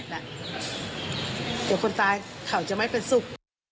เดี๋ยวคนตายเขาจะไม่เป็นสุข